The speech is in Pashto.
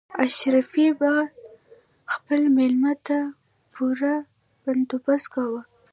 اشرافي به خپل مېلمه ته پوره بندوبست کاوه.